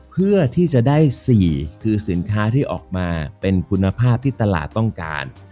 เพื่อที่จะได้๔คือสินค้าที่ออกมาเป็นคุณภาพที่ตลาดต้องการ